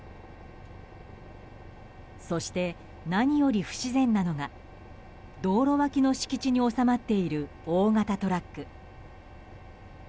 そして、何より不自然なのが道路脇の敷地に収まっている大型トラック。